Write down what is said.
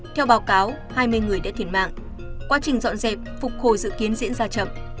theo báo cáo hai mươi người đã thiệt mạng quá trình dọn dẹp phục hồi dự kiến diễn ra chậm